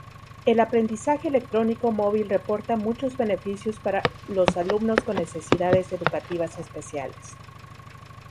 El aprendizaje electrónico móvil reporta muchos beneficios para los alumnos con necesidades educativas especiales.